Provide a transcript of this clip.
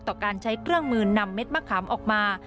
ต่อการใช้เครื่องมือนำเม็ดมะขามออกมา